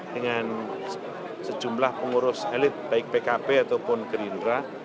dengan sejumlah pengurus elit baik pkb ataupun gerindra